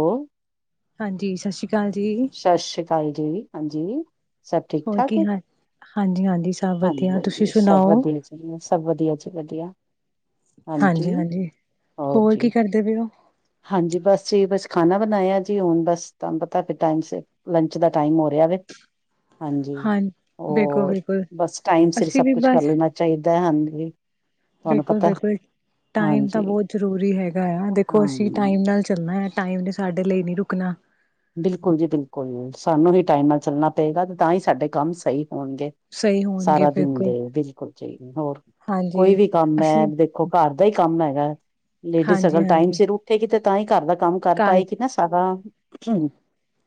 ਹੋ ਹਾਂਜੀ, ਸਸਰੀ ਕਾਲ ਜੀ। ਸਾਸਰੀ ਕਾਲ ਜੀ, ਹਾਂਜੀ ਸਭ ਠੀਕ ਹੋਰ ਠਾਕ ਕੀ ਹੈ ਹਾਂ, ਹਾਂਜੀ-ਹਾਂਜੀ ਸਬ ਵਦੀਆ ਤੁਸੀਂ ਸੁਨਾਓ। ਵਦੀਆ ਸਬ ਵਦੀਆ ਜੀ ਵਦੀਆ। ਹਾਂਜੀ-ਹਾਂਜੀ, ਹੋਰ ਕੀ ਕਰਦੇ ਪਏ ਓ? ਹਾਂਜੀ, ਬਸ ਜੀ ਬਸ ਖਾਣਾ ਬਨਾਏਆ ਜੀ ਹੁਨ ਬਸ ਤੁਆਨੂੰ ਪਤਾ ਫਿਰ ਟਾਈਮ ਸੀ। ਲੰਚ ਦਾ ਟਾਈਮ ਹੋ ਰਿਆ ਵੇ। ਹਾਂਜੀ ਹਾਂ ਬਿਲਕੁਲ ਓ ਬਿਲਕੁਲ ਬਸ ਟਾਈਮ ਸਿਰ ਅਸੀਂ ਸਬ ਵੀ ਕੁਛ ਕਰ ਬਸ ਲੈਨਾ ਚਾਈਦੈ, ਹਾਂਜੀ। ਤੁਹਾਨੂੰ ਪਤਾ ਬਿਲਕੁਲ-ਬਿਲਕੁਲ ਟਾਈਮ ਤਾਂ ਹਾਂਜੀ ਬੋਤ ਜ਼ਰੂਰੀ ਹੈਗਾ ਆ ਦੇਖੋ ਹਾਂ ਅਸੀਂ ਟਾਈਮ ਨਾਲ ਚੱਲਨਾ ਐ ਟਾਈਮ ਨੇ ਸਾਡੇ ਲਈ ਨੀ ਰੁਕਨਾ। ਬਿਲਕੁਲ ਜੀ ਬਿਲਕੁਲ ਸਾਨੂੰ ਵੀ ਟਾਈਮ ਨਾਲ ਚੱਲਨਾ ਪਏਗਾ ਤੇ ਤਾਂ ਈ ਸਾਡੇ ਕੰਮ ਸਈ ਹੋਨਗੇ। ਸਹੀ ਹੋਣਗੇ ਸਾਰਾ ਦਿਨ ਬਿਲਕੁਲ ਦੇ ਬਿਲਕੁਲ ਜੀ ਹੋਰ ਕੋਈ ਹਾਂਜੀ ਵੀ ਕੰਮ ਐ ਅਸੀਂ ਦੇ ਦੇਖੋ ਘਰ ਦਾ ਈ ਕੰਮ ਹੈਗਾ ਐ ਲੇਡੀਜ਼ ਹਾਂਜੀ ਅਗਲ ਟਾਈਮ ਹਾਂਜੀ ਸਿਰ ਉੱਠੇਗੀ ਤੇ ਤਾਂ ਈ ਘਰ ਦਾ ਕੰਮ ਕਰ ਘਰ ਪਾਏਗੀ ਨਾ ਸਾਰਾ।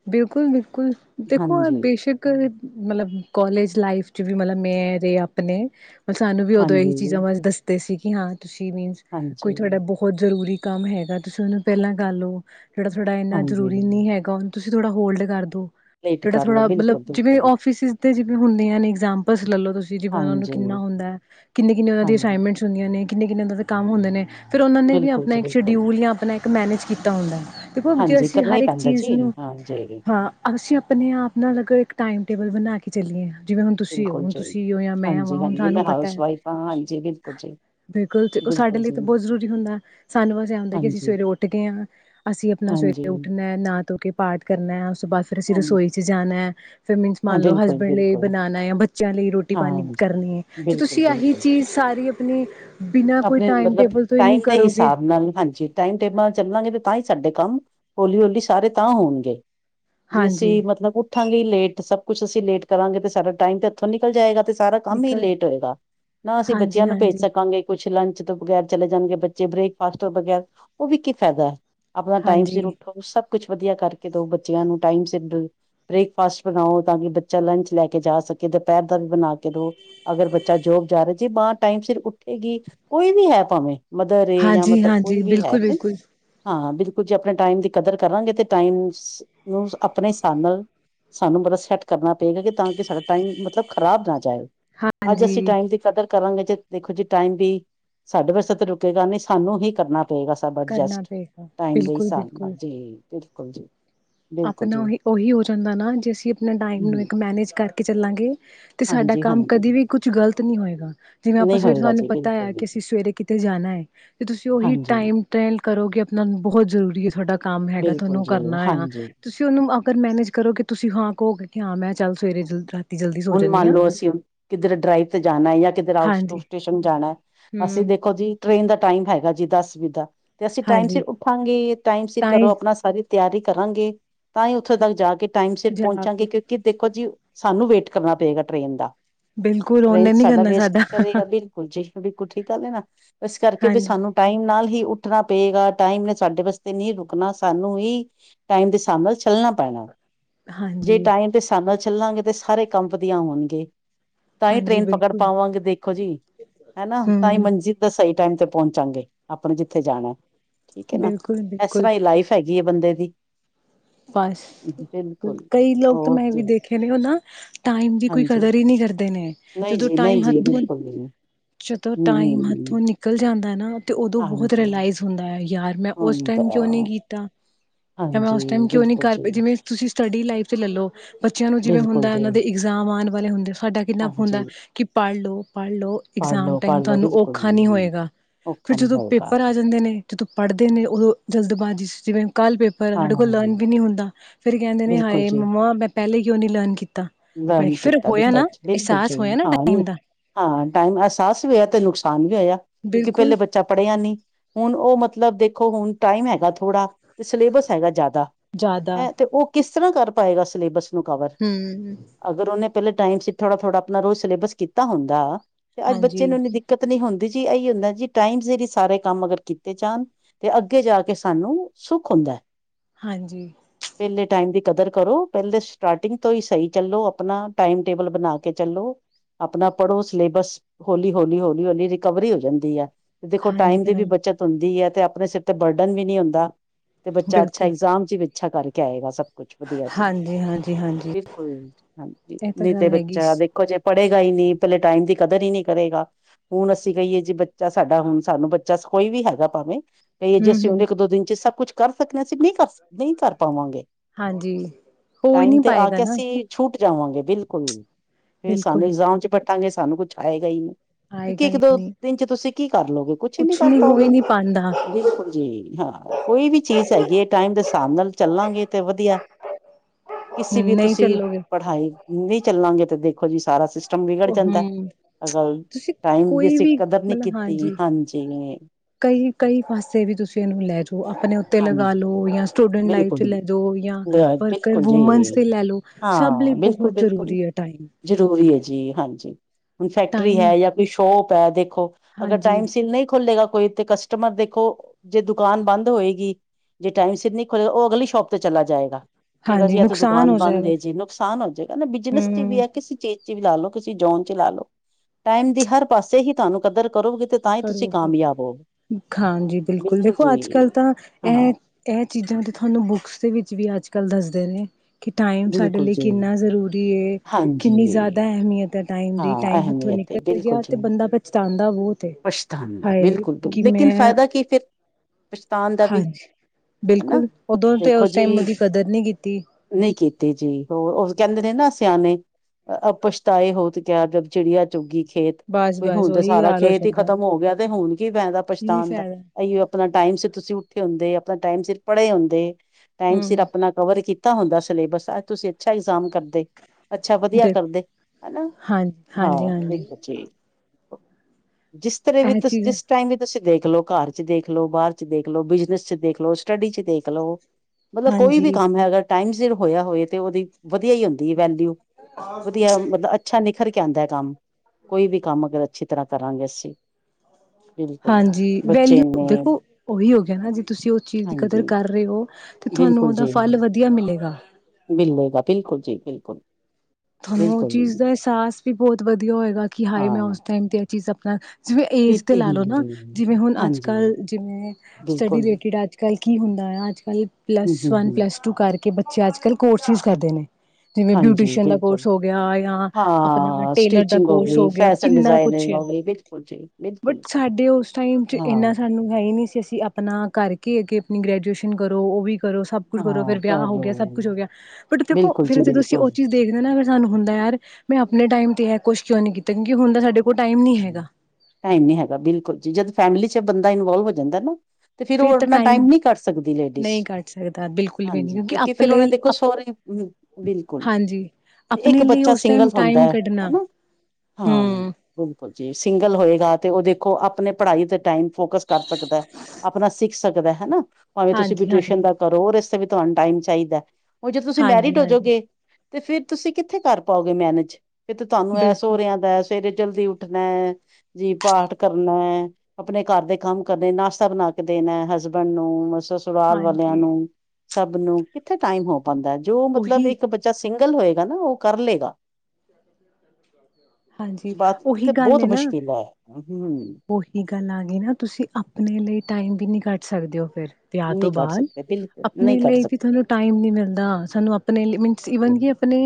ਬਿਲਕੁਲ-ਬਿਲਕੁਲ ਦੇਖੋ ਆ ਹਾਂਜੀ, ਬੇਸ਼ੱਕ ਮਤਲਬ ਕਾਲਜ ਲਾਈਫ ਚ ਵੀ ਮਤਲਬ ਮੇਰੇ ਆਪਨੇ ਸਾਨੂੰ ਵੀ ਓਦੋਂ ਏਹੀ ਚੀਜ਼ਾਂ ਬਾਰੇ ਦੱਸਦੇ ਸੀ ਕਿ ਹਾਂ ਤੁਸੀਂ ਮੀਨਜ਼ ਕੋਈ ਥੁਆਡਾ ਹਾਂਜੀ। ਬੋਹ ਬੋਹਤ ਜ਼ਰੂਰੀ ਕੰਮ ਹੈਗਾ ਤੁਸੀਂ ਓਨੂੰ ਪੈਲਾਂ ਕਰ ਲੋ ਜੇੜਾ ਥੋਡਾ ਇੰਨਾ ਜ਼ਰੂਰੀ ਹਾਂਜੀ, ਨਈਂ ਹੈਗਾ ਓਨੂੰ ਤੁਸੀਂ ਥੋੜਾ ਹੋਲਡ ਕਰ ਦੋ। ਲੇਟ ਜੇੜਾ ਕਰਲੋ ਥੋੜਾ ਮਤਲਬ ਬਿਲਕੁਲ, ਜਿਵੇਂ ਬਿਲਕੁਲ ਔਫਿਸਿਸ ਤੇ ਜਿਵੇਂ ਹੁੰਦੀਆਂ ਨੇ ਇਗਜਾਮਪਲਸ ਲੈ ਲੋ ਤੁਸੀਂ ਜਿਵੇਂ ਓਨਾਂ ਨੂੰ ਹਾਂਜੀ, ਕਿੰਨਾ ਹੁੰਦਾ ਐ ਕਿੰਨੇ-ਕਿੰਨੇ ਓਨਾਂ ਦੀ ਹਾਂਜੀ। ਅਸਾਈਨਮੈਂਟਸ ਹੁੰਦੀਆਂ ਨੇ। ਕਿੰਨੇ-ਕਿੰਨੇ ਓਨਾਂ ਦੇ ਕੰਮ ਹੁੰਦੇ ਨੇ ਫਿਰ ਓਨਾਂ ਨੇ ਵੀ ਬਿਲਕੁਲ ਆਪਨਾ ਜੀ ਇੱਕ ਬਿਲਕੁਲ, ਸ਼ਡਿਊਲ ਯਾ ਆਪਨਾ ਇੱਕ ਮੈਨੇਜ ਕੀਤਾ ਹੁੰਦੈ। ਦੇਖੋ ਜੇ ਅਸੀਂ ਹਰ ਇੱਕ ਚੀਜ਼ ਨੂੰ ਆ ਨੀ ਚਾਈਦੇ। ਹਾਂ ਅਸੀਂ ਆਪਨੇ ਆਪ ਨਾਲ ਅਗਰ ਇੱਕ ਟਾਈਮ ਟੇਬਲ ਬਨਾ ਕੇ ਚੱਲੀਏ, ਜਿਵੇਂ ਹੁਨ ਤੁਸੀਂ ਓ ਬਿਲਕੁਲ ਹੁਨ ਜੀ। ਤੁਸੀਂ ਓ ਯਾਂ ਮੈਂ ਵਾ ਹਾਂਜੀ, ਹੁਨ ਹਾਂਜੀ ਮੈਂ ਸਾਨੂੰ ਪਤਾ ਹਾਊਸ ਐ। ਵਾਈਫ ਹਾਂ ਹਾਂਜੀ ਬਿਲਕੁਲ ਜੀ, ਬਿਲਕੁਲ ਦੇਖੋ ਸਾਡੇ ਬਿਲਕੁਲ ਲਈ ਜੀ ਤਾਂ ਬੋਤ ਜ਼ਰੂਰੀ ਹੁੰਦਾ ਸਾਨੂੰ ਬਸ ਐਂ ਹੁੰਦਾ ਕਿ ਅਸੀਂ ਹਾਂਜੀ। ਸਵੇਰੇ ਉੱਠ ਗਏ ਆਂ। ਅਸੀਂ ਆਪਨਾ ਸਵੇਰੇ ਹਾਂਜੀ, ਹਾਂਜੀ ਉੱਠਨੈ ਨਾ ਧੋ ਕੇ ਪਾਠ ਕਰਨੈ ਉਸ ਤੋਂ ਬਾਦ ਫਿਰ ਅਸੀਂ ਰਸੋਈ ਚ ਹਾਂ ਜਾਨੈ। ਫਿਰ ਮੀਨਜ਼ ਮੰਨ ਲੋ ਬਿਲਕੁਲ, ਹਸਬੈਂਡ ਲਈ ਬਿਲਕੁਲ ਬਨਾਨੈ ਯਾਂ ਬੱਚੇਆਂ ਲਈ ਰੋਟੀ ਪਾਨੀ ਹਾਂਜੀ ਕਰਨੀ ਐ ਤੇ ਬਿਲਕੁਲ, ਤੁਸੀਂ ਆਹੀ ਬਿਲਕੁਲ। ਚੀਜ਼ ਸਾਰੀ ਆਪਨੀ ਬਿਨਾਂ ਕੋਈ ਆਪਣੇ ਟਾਈਮ ਮਤਲਬ ਟੇਬਲ ਤੋਂ ਈ ਨੀ ਟਾਈਮ ਦੇ ਕਰੋਗੇ। ਹਿਸਾਬ ਨਾਲ ਹਾਂਜੀ ਟਾਈਮ ਟੇਬਾ ਨਾ ਚੱਲਾਂਗੇ ਤੇ ਤਾਂ ਈ ਸਾਡੇ ਕੰਮ ਹੋਲੀ-ਹੋਲੀ ਸਾਰੇ ਤਾਂ ਹੋਨਗੇ। ਜੇ ਅਸੀਂ ਹਾਂਜੀ ਮਤਲਬ ਉੱਠਾਂਗੇ ਈ ਲੇਟ ਸਬ ਕੁਛ ਅਸੀਂ ਲੇਟ ਕਰਾਂਗੇ ਤੇ ਸਾਡਾ ਟਾਈਮ ਤੇ ਹੱਥੋਂ ਨਿਕਲ ਜਾਏਗਾ ਤੇ ਸਾਰਾ ਕੰਮ ਈ ਨਿਕਲ ਲੇਟ ਹੋਏਗਾ ਨਾ ਅਸੀਂ ਹਾਂਜੀ ਬੱਚੇਆਂ ਨੂੰ ਭੇਜ ਹਾਂਜੀ ਸਕਾਂਗੇ। ਕੁਛ ਲੰਚ ਤੋਂ ਬਗੈਰ ਚਲੇ ਜਾਨਗੇ ਬੱਚੇ ਬ੍ਰੇਕਫਾਸਟ ਤੋਂ ਬਗੈਰ ਓ ਵੀ ਕੀ ਫੈਦਾ ਐ ਆਪਦਾ ਟਾਈਮ ਸਿਰ ਹਾਂਜੀ ਉੱਠੋ ਸਬ ਕੁਛ ਵਦੀਆ ਕਰਕੇ ਦੋ ਬੱਚੇਆਂ ਨੂੰ ਟਾਈਮ ਸਿਰ ਬ੍ਰ ਬ੍ਰੇਕਫਾਸਟ ਬਨਾਓ ਤਾਂ ਕਿ ਬੱਚਾ ਲੰਚ ਲੈ ਕੇ ਜਾ ਸਕੇ, ਦੁਪੈਰ ਦਾ ਵੀ ਬਨਾ ਕੇ ਦੋ ਅਗਰ ਬੱਚਾ ਜੋਬ ਜਾ ਰਿਆ, ਜੇ ਮਾਂ ਟਾਈਮ ਸਿਰ ਉਠੇਗੀ ਕੋਈ ਵੀ ਹੈ ਭਾਵੇਂ ਮਦਰ ਏ ਯਾ ਹਾਂਜੀ ਮਤਲਬ ਹਾਂਜੀ ਕੋਈ ਵੀ ਹੈ ਬਿਲਕੁਲ ਨਈਂ। ਬਿਲਕੁਲ ਹਾਂ ਬਿਲਕੁਲ ਜੇ ਆਪਨੇ ਟਾਈਮ ਦੀ ਕਦਰ ਕਰਾਂਗੇ, ਤੇ ਟਾਈਮ ਸ ਨੂੰ ਆਪਨੇ ਹਿਸਾਬ ਨਾਲ ਸਾਨੂੰ ਮਤਲਬ ਸੈੱਟ ਕਰਨਾ ਪੇਗਾ ਕਿ ਤਾਂ ਕਿ ਸਾਡਾ ਟਾਈਮ ਮਤਲਬ ਖਰਾਬ ਨਾ ਜਾਏ। ਅੱਜ ਅਸੀਂ ਹਾਂਜੀ ਟਾਈਮ ਦੀ ਕਦਰ ਕਰਾਂਗੇ ਜੇ ਦੇਖੋ ਜੀ ਟਾਈਮ ਵੀ ਸਾਡੇ ਵਾਸਤੇ ਤਾਂ ਰੁਕੇਗਾ ਨਈਂ ਸਾਨੂੰ ਹੀ ਕਰਨਾ ਦਏ ਗਾ ਸਬ ਕਰਨਾ ਅਡਜਸਟ ਪਏਗਾ ਟਾਈਮ ਦੇ ਬਿਲਕੁਲ ਹਿਸਾਬ ਨਾਲ, ਬਿਲਕੁਲ ਜੀ ਬਿਲਕੁਲ ਜੀ। ਬਿਲਕੁਲ ਆਪਨਾ ਜੀ ਓਹੀ-ਓਹੀ ਹੋ ਜਾਂਦਾ ਨਾ, ਜੇ ਅਸੀਂ ਆਪਨੇ ਟਾਈਮ ਨੂੰ ਹਮ ਇੱਕ ਮੈਨੇਜ ਕਰਕੇ ਚੱਲਾਂਗੇ ਤੇ ਸਾਡਾ ਹਾਂਜੀ ਕੰਮ ਹਾਂਜੀ ਕਦੀ ਵੀ ਕੁਛ ਗਲਤ ਨੀ ਹੋਏਗਾ। ਜਿਵੇਂ ਆਪਾਂ ਨਹੀਂ ਸਵੇਰੇ ਹੋਏਗਾ ਸਾਨੂੰ ਜੀ ਪਤਾ ਐ ਬਿਲਕੁਲ ਕਿ ਵੀ ਅਸੀਂ ਸਵੇਰੇ ਕਿਤੇ ਜਾਨਾ ਏ ਤੇ ਤੁਸੀਂ ਓਹੀ ਹਾਂਜੀ ਟਾਈਮ ਟਰੈਲ ਕਰੋਗੇ ਆਪਨਾ ਬੋਹਤ ਜ਼ਰੂਰੀ ਏ ਥੋਡਾ ਕੰਮ ਹੈਗਾ ਬਿਲਕੁਲ ਥੋਨੂੰ ਜੀ ਕਰਨਾ ਏਆ ਹਾਂਜੀ ਤੁਸੀਂ ਉਹਨੂੰ ਅਗਰ ਮੈਨੇਜ ਕਰੋ, ਤੁਸੀਂ ਹਾਂ ਕਹੋਗੇ। ਕਿ ਹਾਂ ਮੈਂ ਚੱਲ ਸਵੇਰੇ ਜ ਰਾਤੀ ਜਲਦੀ ਸੋ ਹੁਣ ਜਾਂਦੀ ਮੰਨ ਹਾਂ ਲਓ, ਅਸੀਂ ਕਿਧਰ ਡਰਾਈਵ ਤੇ ਜਾਣਾ ਜਾਂ ਕਿਧਰ ਆਊਸ ਟ ਹਾਂਜੀ ਸਟੇਸ਼ਨ ਜਾਣਾ, ਅਸੀਂ ਹਮ ਦੇਖੋ ਜੀ। ਟ੍ਰੇਨ ਦਾ ਟਾਈਮ ਹੈਗਾ ਜੀ ਦਸ ਵੱਜੇ ਦਾ ਤੇ ਅਸੀਂ ਟਾਈਮ ਸਿਰ ਹਾਂਜੀ ਉੱਠਾਂਗੇ ਟਾਈਮ ਸਿਰ ਤਾਂ ਕਰੋ, ਹੀ ਆਪਣਾ ਸਾਰੀ ਤਿਆਰੀ ਕਰਾਂਗੇ, ਤਾਂ ਹੀ ਉੱਥੋਂ ਤੱਕ ਜਾ ਕੇ ਟਾਈਮ ਸਿਰ ਜਾ ਪਹੁੰਚਾਂਗੇ ਕਿਉਂਕਿ ਦੇ ਦੇਖੋ ਜੀ ਸਾਨੂੰ ਵੇਟ ਕਰਨਾ ਪਏਗਾ ਟ੍ਰੇਨ ਦਾ, ਬਿਲਕੁਲ ਟ੍ਰੇਨ ਓਨੇ ਨੀ ਸਾਡਾ ਕਰਨਾ ਵੇਸਟ ਕਰੇਗਾ ਵੀ ਜੀ ਬਿਲਕੁਲ ਵੀ ਕੋਠੀ ਗੱਲ ਐ, ਨਾ ਇਸ ਕਰਕੇ ਵੀ ਹਾਂਜੀ ਸਾਨੂੰ ਟਾਈਮ ਨਾਲ ਹੀ ਉੱਠਣਾ ਪਏਗਾ, ਟਾਈਮ ਨੇ ਸਾਡੇ ਵਾਸਤੇ ਨੀ ਰੁਕਣਾ ਸਾਨੂੰ ਹੀ ਟਾਈਮ ਦੇ ਹਿਸਾਬ ਨਾਲ ਚੱਲਣਾ ਪੈਣਾ। ਜੇ ਹਾਂਜੀ, ਟਾਈਮ ਦੇ ਹਿਸਾਬ ਨਾਲ ਚੱਲਾਂਗੇ, ਤੇ ਸਾਰੇ ਕੰਮ ਵਧੀਆ ਹੋਣਗੇ। ਤਾਂਈ ਹਾਂਜੀ ਟ੍ਰੇਰਨ ਪਕੜ ਬਿਲਕੁਲ ਪਾਵਾਂਗੇ, ਦੇਖੋ ਜੀ ਹਨਾ ਤਾਂਹੀ ਹੂੰ, ਮੰਜੀ ਸਹੀ ਟਾਈਮ ਤੇ ਪਹੁੰਚਾਂਗੇ, ਆਪਣੇ ਜਿੱਥੇ ਜਾਣਾ ਠੀਕ ਐ ਨਾ ਬਿਲਕੁਲ, ਇਸ ਬਿਲਕੁਲ ਤਰ੍ਹਾਂ ਈ ਲਾਈਫ ਹੈਗੀ ਐ ਬੰਦੇ ਦੀ ਬੱਸ, ਬਿਲਕੁਲ ਕਈ ਲੋਕ ਕਮ ਹੋਰ ਵੀ ਜੀ ਦੇਖੇ ਨੇ ਉਹ ਨਾ, ਟਾਈਮ ਦੀ ਕੋਈ ਹਾਂਜੀ। ਕਦਰ ਈ ਨੀ ਕਰਦੇ, ਨੇ ਨਹੀਂ ਜਦੋਂ ਜੀ ਨਹੀਂ ਟਾਈਮ ਜੀ ਹੱਥੋਂ ਬਿਲਕੁਲ ਵੀ ਨਹੀਂ ਜਦੋਂ ਟਾਈਮ ਹੱਥੋਂ ਹੂੰ ਨਿਕਲ ਜਾਂਦਾ ਏ ਨਾ ਤੇ ਓਦੋਂ ਬਹੁਤ ਹਾਂਜੀ ਰੀਲਾਈਸ ਯਾਰ ਮੈਂ ਉਸ ਹੁੰਦਾ। ਟਾਈਮ ਕਿਉਂ ਕੀਤਾ, ਜਾਂ ਮੈਂ ਹਾਂਜੀ ਉਸ ਮੈਂ ਕਿਉਂ ਨੀ ਬਿਲਕੁਲ ਕਰ ਜੀ ਜਿਵੇਂ ਤੁਸੀਂ ਸਟੱਡੀ ਲਾਈਫ ਤੇ ਲੈਲੋ, ਬੱਚਿਆਂ ਨੂੰ ਜਿਵੇਂ ਬਿਲਕੁਲ ਹੁੰਦਾ ਜੀ ਇਹਨਾਂ ਦੇ ਇਗਜ਼ਾਮ ਆਣ ਵਾਲੇ ਹੁੰਦੇ ਸਾਡਾ ਕਿੰਨਾ ਹਾਂਜੀ ਹੁੰਦਾ, ਕਿ ਪੜ੍ਹ ਲੋ ਪੜ੍ਹ ਲਓ, ਪੜ੍ਹ ਇਗਜ਼ਾਮ ਲੋ ਟਾਈਮ ਪੜ੍ਹ ਲੋ ਤੁਹਾਨੂੰ ਬਿਲਕੁਲ ਔਖਾ ਨੀ ਹੋਏਗਾ। ਫਿਰ ਔਖਾ ਨੀ ਜਦੋਂ ਹੋਏ ਗਾ। ਪੇਪਰ ਆ ਜਾਂਦੇ ਨੇ ਜਦੋਂ ਪੜ੍ਹਦੇ ਨੇ ਉਦੋਂ ਜਲਦਬਾਜ਼ੀ, ਜਿਵੇਂ ਕੱਲ ਪੇਪਰ ਹਾਂ ਤੁਡੇ ਉ ਲਰਨ ਵੀ ਨੀ ਹੁੰਦਾ, ਫਿਰ ਕਹਿੰਦੇ ਨੇ ਬਿਲਕੁਲ ਹਾਏ ਜੀ। ਮੰਮਾ ਮੈਂ ਪਹਿਲੇ ਕਿਉਂ ਨੀ ਲਰਨ ਕੀਤਾ [inaudible] ਮੈਂ ਕਿਹਾ ਫਿਰ ਹੋਇਆ ਨਾ ਅਹਿਸਾਸ ਹੋਇਆ ਨਾ ਟਾਈਮ ਦਾ ਹਾਂ ਟਾਈਮ ਅਹਿਸਾਸ ਵੀ ਹੋਇਆ ਤੇ ਨੁਕਸਾਨ ਵੀ ਹੋਇਆ ਕਿਉਂਕਿ ਬਿਲਕੁਲ ਪਹਿਲੇ ਬੱਚਾ ਪੜ੍ਹਿਆ ਨੀ, ਹੁਣ ਉਹ ਮਤਲਬ ਦੇਖੋ ਹੁਣ ਟਾਈਮ ਹੈਗਾ ਥੋੜ੍ਹਾ ਤੇ ਸਿਲੇਬਸ ਹੈਗਾ ਜ਼ਿਆਦਾ ਜ਼ਿਆਦਾ ਹੈਂ ਤੇ ਉਹ ਕਿਸ ਤਰ੍ਹਾਂ ਕਰ ਪਾਏਗਾ ਸਿਲੇਬਸ ਨੂੰ ਕਵਰ ਹੂੰ, ਅਗਰ ਉਹਹਨੇ ਪਹਿਲੇ ਟਾਈਮ ਚ ਥੋੜਾ ਥੋੜਾ ਆਪਣਾ ਰੋਜ਼ ਸਿਲੇਬਸ ਕੀਤਾ ਹੁੰਦਾ, ਤੇ ਅੱਜ ਬੱਚੇ ਹਾਂਜੀ ਇੰਨੀ ਦਿੱਕਤ ਦਿੱਕਤ ਨੀ ਹੁੰਦੀ ਜੀ, ਇਹੀ ਹੁੰਦਾ ਜੀ ਟਾਈਮ ਸਿਰ ਸਾਰੇ ਕੰਮ ਅਗਰ ਕੀਤੇ ਜਾਣ ਤੇ ਅੱਗੇ ਜਾ ਕੇ ਸਾਨੂੰ ਸੁੱਖ ਹੁੰਦਾ ਐ। ਹਾਂਜੀ। ਪਹਿਲੇ ਟਾਈਮ ਦੀ ਕਦਰ ਕਰੋ, ਪਹਿਲੇ ਸਟਾਰਟਿੰਗ ਤੋਂ ਈ ਸਹੀ। ਚੱਲੋ, ਆਪਣਾ ਟਾਈਮ ਟੇਬਲ ਬਣਾ ਕੇ ਚੱਲੋ। ਆਪਣਾ ਪੜ੍ਹੋ ਸਿਲੇਬਸ ਹੌਲੀ-ਹੌਲੀ, ਹੌਲੀ-ਹੌਲੀ ਰਿਕਵਰੀ ਹੋ ਜਾਂਦੀ ਆ। ਦੇਖੋ ਹਾਂਜੀ ਟਾਈਮ ਦੀ ਵੀ ਹਾਂ ਬੱਚਤ ਹੁੰਦੀ ਐ ਤੇ ਆਪਣੇ ਸਿਰ ਤੇ ਬਰਡਨ ਵੀ ਨੀ ਹੁੰਦਾ। ਤੇ ਬੱਚਾ ਅੱਛਾ ਬਿਲਕੁਲ ਇਗਜ਼ਾਮ ਚ ਵੀ ਅੱਛਾ ਕਰਕੇ ਆਏਗਾ ਸਭ ਹਾਂਜੀ-ਹਾਂਜੀ-ਹਾਂਜੀ। ਕੋਈ ਹਾਂਜੀ ਨੀ ਤੇ ਬੱਚਾ ਦੇਖੋ ਜੇ ਪੜ੍ਹੇਗਾ ਈ ਨੀ ਪਹਿਲੇ ਟਾਈਮ ਦੀ ਕਦਰ ਈ ਨੀ ਕਰੇਗਾ। ਹੁਣ ਅਸੀਂ ਕਹੀਏ, ਜੀ ਬੱਚਾ ਸਾਡਾ ਹੁਣ ਸਾਨੂੰ ਬੱਚਾ ਕੋਈ ਵੀ ਹੈਗਾ ਭਾਵੇਂ। ਕਹੀਏ ਜੇ ਹਮ ਅਸੀਂ ਹੁਣ ਹਮ ਇੱਕ-ਦੋ ਦਿਨ ਚ ਸਭ ਕੁੱਛ ਕਰ ਸਕਦੇ ਆ ਅਸੀ ਨੀ ਕਰ ਸਕ ਨਈ ਕਰ ਪਾਵਾਂਗੇ, ਹਾਂਜੀ ਹੋ ਹੀ ਟਾਈਮ ਨਹੀਂ ਤੇ ਆ ਪਾਏਗਾ ਕੇ ਨਾ ਅਸੀਂ ਛੂਟ ਜਾਵਾਂਗੇ ਬਿਲਕੁਲ, ਈ ਸਾਨੂੰ ਬਿਲਕੁਲ ਇਗਜ਼ਾਮ ਚ ਬੈਠਾਂਗੇ ਸਾਨੂੰ ਕੁਛ ਆਏਗਾ ਈ ਨੀ। ਕਿਉਂਕਿ ਆਏਗਾ ਹੀ ਇੱਕ-ਦੋ ਨਹੀਂ ਦਿਨ ਚ ਤੁਸੀਂ ਕੀ ਕਰ ਲਓਗੇ ਕੁਛ ਨੀ ਕਰ ਨਹੀਂ ਹੋ ਹੀ ਪਾਓਗੇ ਨਹੀਂ ਪਾਉਂਦਾ ਬਿਲਕੁ ਜੀ ਹਾਂ ਕੋਈ ਵੀ ਚੀਜ਼ ਹੈਗੀ ਐ ਟਾਈਮ ਦੇ ਹਿਸਾਬ ਨਾਲ ਚੱਲਾਂਗੇ ਤੇ ਵਧੀਆ। ਹੂੰ ਨਈ। ਤੀ ਪੜ੍ਹਾਈ ਨਈ ਚੱਲਾਂਗੇ ਤੇ ਦੇਖੋ ਜੀ ਸਾਰਾ ਸਿਸ ਟਮ ਵਿਗੜ ਜਾਂਦਾ ਹਮ ਅਗਲ ਤੁਸੀਂ ਟਾਈਮ ਦੀ ਕੋਈ ਅਸੀਂ ਵੀ ਕਦਰ ਨੀ ਕੀਤੀ ਹਾਂਜੀ ਕਈ-ਕਈ ਪਾਸੇ ਵੀ ਤੁਸੀਂ ਏਨੂੰ ਲੈ ਜੋ ਅਪਨੇ ਓ ਤੇ ਲਗਾ ਲੋ ਹਾਂਜੀ ਯਾਂ ਸਟੂਡੈਂਟ ਲਾਈਫ ਬਿਲਕੁਲ ਚ ਲੈ ਜਓ ਜਾਂ ਵਰਕਰ ਬਿਲਕੁਲ ਜੀ ਵੂਮਨ ਤੇ ਲੈਲੋ ਸਬ ਲਈ ਹਾਂ ਬਿਲਕੁਲ ਬੋਹਤ ਬਿਲਕੁਲ ਜ਼ਰੂਰੀ ਐ ਟਾਈਮ। ਜ਼ਰੂਰੀ ਐ ਜੀ ਹਾਂਜੀ। ਹੁਣ ਫੈਕਟਰੀ ਟਾਈਮ ਹੈ ਯਾਂ ਕੋਈ ਸ਼ੋਪ ਹੈ ਦੇਖੋ ਅਗਰ ਹਾਂਜੀ ਟਾਈਮ ਸਿਰ ਨਈ ਖੋਲੇਗਾ ਕੋਈ ਕਸ ਟਮਰ ਦੇਖੋ ਜੇ ਦੁਕਾਨ ਬੰਦ ਹੋਏ ਗੀ ਜੇ ਟਾਈਮ ਸਿਰ ਨੀ ਖੋਲੇਗਾ ਓ ਅਗਲੀ ਸ਼ੋਪ ਤੇ ਚਲਾ ਜਾਏਗਾ। ਕੇਗਾ ਹਾਂਜੀ ਜੀ ਐ ਤਾਂ ਨੁਕਸਾਨ ਦੁਕਾਨ ਹੋ ਬੰਦ ਜਾਏਗਾ ਐ ਜੀ ਨੁਕਸਾਨ ਓ ਜੇਗਾ ਨਾ ਬਿਜਨਸ ਚ ਵੀ ਹਮ ਐ ਕਿਸੇ ਚੀ ਜ਼ ਵੀ ਲਾ ਲਓ, ਕਿਸੇ ਜੋਨ ਚ ਲਾ ਲਓ, ਟਾਈਮ ਦੀ ਹਰ ਪਾਸੇ ਹੀ ਤੁਆਨੂੰ ਕਦਰ ਕਰੋਗੇ ਤੇ ਤਾਂ ਹੀ ਤੁਸੀਂ ਕਰੋਗੇ ਕਾਮਯਾਬ ਹੋਗੇ ਹਾਂਜੀ ਬਿਲਕੁਲ ਦੇਖੋ ਆੱਜ-ਕੱਲ ਤਾਂ ਐ ਹਾਂ ਐ ਚੀਜ਼ਾਂ ਤਾਂ ਤੁਆਨੂੰ ਬੁੱਕਸ ਦੇ ਵਿੱਚ ਵੀ ਆੱਜ-ਕੱਲ ਦੱਸਦੇ ਨੇ। ਕਿ ਟਾਈਮ ਸਾਡੇ ਬਿਲਕੁਲ ਲਈ ਜੀ ਕਿੰਨਾ ਜ਼ਰੂਰੀ ਐ ਕਿੰਨੀ ਜੈਦਾ ਹਾਂਜੀ ਅਹਿਮੀਅਤ ਹੈ ਟਾਈਮ ਦੀ ਹਾਂ ਟਾਈਮ ਹੱਥੋਂ ਅਹਿਮੀਅਤ ਹੈ ਨਿਕਲ ਬਿਲਕੁਲ ਗਿਆ ਤੇ ਬੰਦਾ ਪਛਤਾਂਦਾ ਬੋਤ ਏ। ਧੰਨ ਦਾ ਹਾਏ ਬਿਲਕੁਲ ਤੁ ਕਿ ਲੇਕਿਨ ਮੈਂ ਫਾਈਦਾ ਕੀ ਫਿਰ ਪਛਤਾਣ ਦਾ ਵੀ ਹਾਂਜੀ, ਹਨਾ ਬਿਲਕੁਲ ਓਦੋਂ ਤੇ ਓਸ ਟਾਈਮ ਓਦੀ ਕਦਰ ਨੀ ਕੀਤੀ। ਨਈ ਕੀਤੀ ਜੀ ਹੋਰ ਓ ਕੈਂਦੇ ਨੇ ਨਾ ਸਿਆਨੇ ਅਬ ਪਛਤਾਏ ਹੋਤ ਕਿਆ ਜਬ ਚਿੜੀਆਂ ਚੁੱਗ ਗਈ ਖੇਤ। ਬਸ ਬਈ ਬਸ ਹੁਣ ਤੇ ਉਹੀ ਸਾਰਾ ਹਾਲ ਹੋ ਖੇਤ ਈ ਜਾਂਦਾ ਖਤਮ ਹੋ ਗਿਆ ਤੇ ਹੁਣ ਕੀ ਫੈਦਾ ਕੀ ਪਛਤਾਨ ਦਾ। ਫਾਇਦਾ ਅਈਓ ਅਪਨਾ ਟਾਈਮ ਸਿਰ ਤੁਸੀਂ ਉੱਠੇ ਹੁੰਦੇ ਅਪਨਾ ਟਾਈਮ ਸਿਰ ਪੜੇ ਹੁੰਦੇ ਟਾਈਮ ਸਿਰ ਹਮ ਅਪਨਾ ਕਵਰ ਕੀਤਾ ਹੁੰਦਾ ਸਿਲੇਬਸ ਆੱਜ ਤੁਸੀਂ ਅੱਛਾ ਇਗਜ਼ਾਮ ਕਰਦੇ ਅੱਛਾ ਵਦੀਆ ਦੇ ਕਰਦੇ ਹੈਨਾ ਹਾਂਜੀ ਹਾਂਜੀ ਹਾਂ ਹਾਂਜੀ ਠੀਕ ਆ ਜੀ, ਜਿਸ ਤਰਾਂ ਵੀ ਇਹ ਤੁਸੀ ਚੀਜ਼ ਜਿਸ ਟਾਈਮ ਵੀ ਤੁਸੀਂ ਦੇਖ ਲੋ, ਘਰ ਚ ਦੇਖ ਲੋ, ਬਾਰ ਚ ਦੇਖ ਲੋ, ਬਿਜਨਸ ਚ ਦੇਖ ਲੋ, ਸਟੱਡੀ ਚ ਦੇਖ ਲਓ ਮਤਲਬ ਕੋਈ ਵੀ ਹਾਂਜੀ ਕੰਮ ਹੈਗਾ ਅਗਰ ਟਾਈਮ ਸਿਰ ਹੋਇਆ ਹੋਏ ਤੇ ਓਦੀ ਵਦੀਆਂ ਈ ਹੁੰਦੀ ਐ ਵੈਲਿਊ। ਵਦੀਆ ਮਤਲਬ ਅੱਛਾ ਨਿਖਰ ਕੇ ਆਂਦਾ ਐ ਕੰਮ ਕੋਈ ਵੀ ਕੰਮ ਅਗਰ ਅੱਛੀ ਤਰਾਂ ਕਰਾਂਗੇ ਅਸੀਂ। ਬਿਲਕੁਲ ਹਾਂਜੀ, ਬੱਚੇ ਵੈਲਿਊ ਨੇ ਦੇਖੋ ਓਹੀ ਹੋ ਗਿਆ ਨਾ ਜੇ ਤੁਸੀਂ ਓਸ ਚੀਜ਼ ਦੀ ਹਾਂਜੀ ਕਦਰ ਕਰ ਰਏ ਓ ਤੇ ਤੁਹਾਨੂੰ ਬਿਲਕੁਲ ਓਦਾ ਜੀ ਫਲ ਵਦੀਆ ਮਿਲੇਗਾ। ਮਿਲੇਗਾ ਬਿਲਕੁਲ ਜੀ ਬਿਲਕੁਲ। ਤੁਹਾਨੂੰ ਓ ਬਿਲਕੁਲ ਚੀਜ਼ ਦਾ ਅਹਿਸਾਸ ਵੀ ਬੋਤ ਵਦੀਆ ਹੋਏਗਾ ਕਿ ਹਾਏ ਮੈਂ ਹਾਂ ਓਸ ਟਾਈਮ ਤੇ ਏ ਚੀਜ਼ ਅਪਨਾ ਜਿਵੇਂ ਏਜ ਤੇ ਕੀਤੀ ਲਾ ਲਓ ਨਾ ਹੁੰਦੀ ਹੈ। ਜਿਵੇਂ ਹੁਣ ਹਾਂਜੀ ਆੱਜ-ਕੱਲ ਜਿਵੇਂ ਸਟੱਡੀ ਬਿਲਕੁਲ ਰਿਲੇਟਿਡ ਆੱਜ ਕੱਲ ਕੀ ਹੁੰਦਾ ਆ, ਆੱਜ-ਕੱਲ ਹਮ ਪਲੱਸ ਹਮ ਵਨ ਹਮ ਪਲੱਸ ਟੂ ਕਰਕੇ ਬੱਚੇ ਆੱਜ-ਕੱਲ ਕੋਰਸਿਸ ਕਰਦੇ ਨੇ। ਜਿਵੇਂ ਹਾਂਜੀ ਬਿਊਟਿਸ਼ਨ ਦਾ ਬਿਲਕੁਲ ਕੋਰਸ ਹੋ ਗਿਆ ਯਾਂ ਅਪਨਾ ਹਾਂ ਟੇਲਰ ਦਾ ਸਟਿਚਿੰਗ ਕੋਰਸ ਗਈ ਹੋ ਗਿਆ ਫੈਸ਼ਨ ਕਿੰਨਾ ਕੁਛ ਡਿਜ਼ਾਇਨਿੰਗ ਏ। ਹੋ ਗਈ ਬਿਲਕੁਲ ਜੀ ਬਟ ਬਿਲਕੁਲ ਸਾਡੇ ਓਸ ਟਾਈਮ ਚ ਹਾਂ ਇੰਨਾ ਸਾਨੂੰ ਹੈ ਈ ਨੀ ਸੀ ਅਸੀਂ ਅ ਪਨਾ ਕਰਕੇ ਅੱਗੇ ਅਪਨੀ ਗ੍ਰੈਜੂਏਸ਼ਨ ਕਰੋ ਓ ਵੀ ਕਰੋ ਸਬ ਕੁਛ ਕਰੋ ਫਿਰ ਹਾਂ ਵਿਆਹ ਹੋ ਕਰਲੋ ਗਿਆ ਸਬ ਕੁਛ ਹੋ ਗਿਆ ਬਟ ਦੇਖੋ ਬਿਲਕੁਲ ਫਿਰ ਜੀ ਜਦੋਂ ਅਸੀਂ ਓ ਬਿਲਕੁਲ ਚੀਜ਼ ਹੈਨਾ ਅਗਰ ਸਾਨੂੰ ਹੁੰਦਾ ਐ ਯਾਰ ਮੈਂ ਅਪਨੇ ਟਾਈਮ ਤੇ ਐ ਕੁਛ ਕਿਉਂ ਨੀ ਕੀਤਾ ਕਿਉਂਕਿ ਹੁਨ ਦਾ ਸਾਡੇ ਕੋਲ ਟਾਈਮ ਨੀ ਹੈਗਾ। ਟਾਈਮ ਨੀ ਹੈਗਾ ਬਿਲਕੁਲ ਜੀ, ਜਦ ਫੈਮਲੀ ਚ ਬੰਦਾ ਇਨਵੋਲਵ ਹੋ ਜਾਂਦਾ ਨਾ ਤੇ ਫਿਰ ਓ ਅਪਨਾ ਟਾਈਮ ਨੀ ਕੱਢ ਸਕਦੀ ਲੇਡੀਜ਼ ਨਹੀਂ ਕੱਢ ਸਕਦਾ ਬਿਲਕੁਲ ਵੀ ਨਹੀਂ ਹਾਂਜੀ ਕਿਉਂਕਿ ਫਿਰ ਆਪਣੇ ਓਨਾ ਦੇਖੋ ਸੌਰੇ ਬਿਲਕੁਲ ਹਾਂਜੀ ਇੱਕ ਆਪਣੇ ਲਈ ਬੱਚਾ ਉਸ ਸਿੰਗਲ ਟਾਈਮ ਹੁੰਦਾ ਟਾਈਮ ਕੱਢਣਾ ਹੈਨਾ, ਹਾਂ। ਹਮ ਬਿਲਕੁਲ ਜੀ ਸਿੰਗਲ ਹੋਏਗਾ ਤੇ ਓ ਦੇਖੋ ਅਪਨੇ ਪੜਾਈ ਦੇ ਟਾਈਮ ਫੋਕਸ ਕਰ ਸਕਦੈ ਅਪਨਾ ਸਿੱਖ ਸਕਦੈ ਹੈਨਾ ਭਾਵੇਂ ਤੁਸੀਂ ਹਾਂਜੀ ਬਉਟਿਊਸ਼ਨ ਹਾਂਜੀ ਦਾ ਕਰੋ ਓਰ ਇਸੇ ਵਿੱ ਤੁਆਨੂੰ ਟਾਈਮ ਚਾਈਦਾ, ਹੁਣ ਜੇ ਤੁਸੀਂ ਮੈਰਿਡ ਹਾਂਜੀ ਹਾਂਜੀ ਹੋਜੋਗੇ ਤੇ ਫੇਰ ਤੁਸੀਂ ਕਿੱਥੇ ਕਰ ਪਾਓਗੇ ਮੈਨੇਜ ਏਤੇ ਤੁਹਾਨੂੰ ਐ ਬਿਲਕੁਲ ਸਹੁਰਿਆਂ ਦਾ ਸਵੇਰੇ ਜਲਦੀ ਉੱਠਣਾ ਏ ਜੀ ਪਾਠ ਕਰਨਾ ਏ। ਆਪਣੇ ਘਰ ਦੇ ਕੰਮ ਕਰਨੇ ਨਾਸ਼ਤਾ ਬਣਾ ਕੇ ਦੇਣਾ ਏ ਹਸਬੈਂਡ ਨੂੰ ਔਰ ਸਸ। ਸਵਾਲ ਵਾਲਿਆਂ ਹਾਂਜੀ ਨੂੰ ਸਭ ਨੂੰ ਕਿੱਥੇ ਟਾਈਮ ਹੋ ਪਾਉਦਾ ਜੋ ਮਤਲਬ ਉਹੀ ਇੱਕ ਬੱਚ ਚਾ ਸਿੰਗਲ ਹੋਏਗਾ ਨਾ ਉਹ ਕਰ ਲੇਗਾ। ਹਾਂਜੀ। ਬਾਕੀ ਉਹੀ ਤੇ ਗੱਲ ਬਹੁਤ ਹੈ ਨਾ ਮੁਸ਼ਕਿਲ ਹੈ, ਹੂੰ। ਉਹੀ ਗੱਲ ਆ ਗਈ ਨਾ ਤੁਸੀਂ ਆਪਣੇ ਲਈ ਟਾਈਮ ਵੀ ਨਹੀਂ ਕੱਢ ਸਕਦੇ ਹੋ ਫੇਰ। ਵਿਆਹ ਨਹੀਂ ਤੋਂ ਕੱਟ ਬਾਅਦ, ਸਕਦੇ ਬਿਲਕੁਲ ਆਪਣੇ ਨਹੀਂ ਕੱਟ ਲਈ ਵੀ ਸਕਦੇ ਤੁਹਾਨੂੰ ਟਾਈਮ ਨੀ ਮਿਲਦਾ ਸਾਨੂੰ ਆਪਣੇ ਲਈ ਮੀਨਸ ਈਵਨ ਕਿ ਆਪਣੇ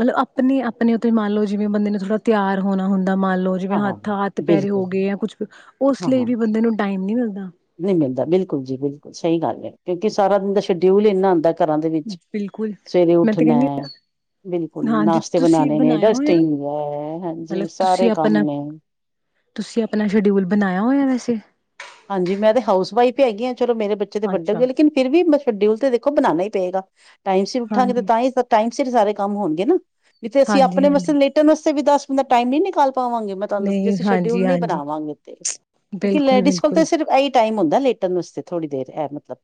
ਮਤਲਬ ਆਪਣੇ - ਆਪਣੇ ਉੱਤੇ ਮੰਨ ਲਓ ਜਿਵੇਂ ਬੰਦੇ ਨੂੰ ਥੋੜਾ ਤਿਆਰ ਹੋਣਾ ਹੁੰਦਾ ਮੰਨ ਲਓ। ਜਿਵੇਂ ਹਾਂ ਹਾਂ ਹੱਥ-ਹੱਥ ਪੈਰੇ ਈ ਹੋ ਬਿਲਕੁਲ ਗਏ ਜਾਂ ਕੁਛ ਉਸ ਹਾਂ ਲਈ ਹਾਂ ਵੀ ਬੰਦੇ ਨੂੰ ਟਾਈਮ ਨੀ ਮਿਲਦਾ। ਨਹੀਂ ਮਿਲਦਾ ਬਿਲਕੁਲ ਜੀ ਬਿਲਕੁਲ ਸਹੀ ਗੱਲ ਹੈ। ਕਿਉਂਕਿ ਸਾਰਾ ਦਿਨ ਦਾ ਸ਼ਡਿਊਲ ਇੰਨਾ ਹੁੰਦਾ। ਘਰਾਂ ਦੇ ਵਿੱਚ, ਬਿਲਕੁਲ ਸਵੇਰੇ ਮੈਂ ਤੇ ਉੱਠਣਾ। ਕਹਿੰਦੀ ਬਿਲਕੁਲ ਹਾਂਜੀ ਨਾਸ਼ਤੇ ਤੁਸੀਂ ਬਣਾਉਣੇ ਨੇ ਬਣਾਇਆ ਹੋਇਆ ਡਸਟਿੰਗ, ਵਗੈ ਮਤਲਬ ਹਾਂਜੀ ਤੁਸੀਂ ਸਾਰੇ ਕੰਮ ਆਪਣਾ ਨੇ। ਤੁਸੀਂ ਆਪਣਾ ਸ਼ਡਿਊਲ ਬਣਾਇਆ ਹੋਇਆ ਵੈਸੇ। ਹਾਂਜੀ, ਮੈਂ ਤਾਂ ਹਾਓਸ ਵਾਈਫ ਹੈਗੀ ਹਾ ਚਲੋ ਮੇਰੇ ਬੱਚੇ ਤੇ ਵੱਡੇ ਹੋਏ ਅੱਛਾ ਲੇਕਿਨ ਫ਼ਿਰ ਵੀ ਮ ਸ਼ਡਿਊਲ ਤੇ ਦੇਖੋ ਬਣਾਉਣਾ ਹੀ ਪਏਗਾ ਟਾਈਮ ਸੀਰ ਉੱਠਾਂਗੇ ਤੇ ਹਾਂਜੀ ਤਾਂ ਹੀ ਸਬ- ਟਾਈਮ ਸਿਰ ਸਾਰੇ ਕੰਮ ਹੋਣਗੇ ਨਾ ਜਿੱਥੇ ਅਸੀਂ ਹਾਂਜੀ ਆਪਣੇ ਵਾਸਤੇ ਹਾਂਜੀ ਲੇਟਣ ਵਾਸਤੇ ਵੀ ਦਸ ਬੰਦਾ ਟਾਈਮ ਨ ਨਹੀਂ ਨਿਕਾਲ ਪਾਵਾਂਗੇ‌। ਤੁਹਾਨੂੰ ਦੱਸ ਦੀ ਨਹੀਂ ਅਸੀਂ ਸ਼ਡਿਊਲ ਹਾਂਜੀ ਨੀ ਹਾਂਜੀ ਬਣਾਵਾਂਗੇ ਤੇ, ਕਿਉਂਕਿ ਲੇਡੀਜ਼ ਕੋਲ ਬਿਲਕੁਲ-ਬਿਲਕੁਲ ਤਾਂ ਇਹੀ ਟਾਈਮ ਹੁੰਦਾ ਲੇਟਣ ਵਸਤੇ, ਥੋੜੀ ਦੇਰ ਹੈ ਮਤਲਬ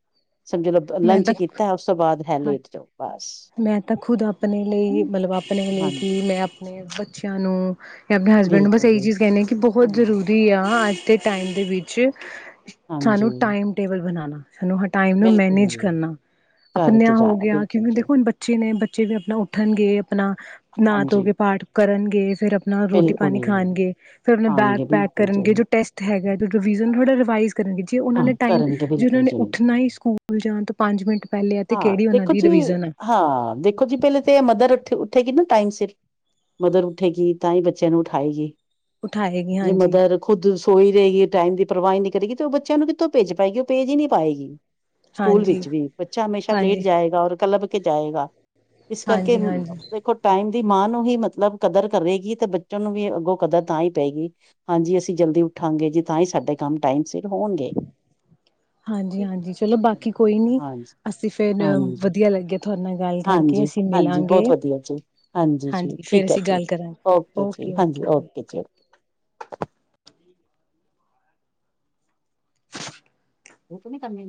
ਸਮਝ ਲੋ ਮੈਂ ਲੰਚ ਤਾਂ ਕੀਤਾ ਉਸ ਤੋਂ ਬਾਅਦ ਹੈ ਹਾਂ ਲੇਟ, ਜਾਓ ਬਸ। ਮੈਂ ਤਾਂ ਖੁਦ ਆਪ ਆਪਣੇ ਲਈ ਹਮ, ਮਤਲਬ ਆਪਣੇ ਲਈ ਕਿ ਹਾਂਜੀ ਮੈਂ ਆਪ ਆਪਣੇ ਬੱਚਿਆਂ ਨੂੰ ਜਾਂ ਆਪਣੇ ਹਸਬੈਂਡ ਨੂੰ ਬਸ ਬਿਲਕੁਲ ਜੀ ਇਹੀ ਚੀਜ਼ ਕਹਿੰਦੇ ਕਿ ਬਹੋਤ ਜ਼ਰੂਰੀ ਹਾਂਜੀ ਜ਼ਰੂਰੀ ਆ ਅੱਜ ਦੇ ਟਾਈਮ ਦੇ ਵਿੱਚ ਹਾਂਜੀ ਸਾਨੂੰ ਟਾਈਮ ਟੇਬਲ ਬਣਾਉਣਾ ਸਾਨੂੰ ਟਮ ਨੂੰ ਬਿਲਕੁਲ ਮੈਨੇਜ ਜੀ ਕਰਨਾ, ਕਰਕੇ ਆਪਨਿਆਂ ਹੋ ਜਾਣਾ ਗਿਆ ਬਿਲਕੁਲ ਕਿਉਂਕਿ ਜੀ ਦੇਖੋ ਬੱਚ ਬੱਚੇ ਨੇ ਬੱਚੇ ਵੀ ਆਪਣਾ ਉੱਠਣਗੇ ਆਪਣਾ ਨਾ ਧੋ ਹਾਂਜੀ ਕੇ ਪਾਠ ਕਰਨਗੇ, ਫੇਰ ਆਪਣਾ ਬਿਲਕੁਲ ਰੋਟੀ-ਪਾਣੀ ਜੀ ਖਾਣਗੇ। ਫੇਰ ਆਪਣੇ ਬੈਗ ਆਣਗੇ ਪੈਕ ਬਿਲਕੁਲ ਕਰਨਗੇ ਜੀ ਜੋ ਟੈਸਟ ਹੈਗਾ ਰਿਵਜ਼ਨ ਥੋੜਾ ਰਿਵਾਇਜ਼ ਕਰਨਗੇ, ਜੇ ਉਹਨਾ ਹਾਂ ਨੇ ਟਾਈਮ ਕਰਨਗੇ ਜੇ ਉਹ ਬਿਲਕੁਲ ਨੇ ਜੀ ਉਠਣਾ ਹੀ ਸਕੂ ਜਾਣ ਤੋਂ ਪੰਜ ਮਿੰਟ ਪਹਿਲੇ ਆ ਤੇ ਹਾਂ ਕਿਹੜੀ ਉਹਨਾਂ ਦੇਖੋ ਦੀ ਜੀ ਰਿਵੀਜ਼ਨ ਆ। ਹਾਂ, ਦੇਖੋ ਜੀ ਪਹਿਲੇ ਤੇ ਮਦਰ ਉੱਠੇ ਉੱਠੇਗੀ ਨਾ ਟਾਈਮ ਸਿਰ। ਮਦਰ ਉੱਠੇਗੀ ਤਾਂ ਹੀ ਬੱਚਿਆਂ ਨੂੰ ਉਠਾਏਗੀ। ਉਠਾਏਗੀ ਜੇ ਹਾਂਜੀ ਮਦਰ ਖੁੱਦ ਸੋਈ ਰਹੇਗੀ ਟਾਈਮ ਦੀ ਪਰਵਾਹੀ ਨਹੀਂ ਕਰੇਗੀ ਤੇ ਉਹ ਬੱਚ ਚਿਆਂ ਨੂੰ ਕਿਥੋਂ ਭੇਜ ਪਾਏਗੀ ਉਹ ਭੇਜ ਹੀ ਨਹੀਂ ਪਾਏਗੀ। ਸਕੂਲ ਹਾਂਜੀ ਹਾਂਜੀ ਵਿੱਚ ਵੀ, ਬੱਚਾ ਹਮੇਸ਼ਾ ਲੇਟ ਹਾਂਜੀ ਜਾਏਗਾ ਔਰ ਕੱਲਪ ਕੇ ਜਾਏਗਾ। ਇਸ ਕਰਕੇ ਹਾਂਜੀ ਦੇਖੋ। ਟਾਈਮ ਦੀ ਮਾਂ ਨੂੰ ਹੀ ਮਤਲਬ ਕਦਰ ਕਰੇਗੀ ਤੇ ਬੱਚੇ ਨੂੰ ਵੀ ਅੱਗੋਂ ਕਦਰ ਤਾਂ ਹੀ ਪਏਗੀ। ਹਾਂਜੀ ਅਸੀਂ ਜਲਦੀ ਉੱਠਾਂਗੇ ਜੀ ਤਾਂ ਹੀ ਸਾਡੇ ਕੰਮ ਟਾਈਮ ਸਿਰ ਹੋਣਗੇ। ਹਾਂਜੀ- ਹਾਂਜੀ ਚਲੋ ਬਾਕੀ ਕੋਈ ਨੀ, ਅਸੀਂ ਫੇਰ ਵਧੀਆ ਲੱਗਿਆ। ਤੁਹਾਡੇ ਨਾਲ ਗੱਲ ਕਰਕੇ ਅਸੀਂ ਹਾਂਜੀ-ਹਾਂਜੀ ਮਿਲਾਂਗੇ ਬੋਤ ਵਧੀਆ ਜੀ ਹਾਂਜੀ ਜੀ ਠੀਕ ਹੈ ਜੀ। ਓਕੇ ਜੀ ਹਾਂਜੀ ਓਕੇ ਜੀ। ਉਹ ਤੋ ਨੀ ਕਰਨੀ ਮੈਂ।